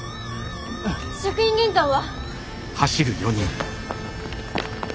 職員玄関は？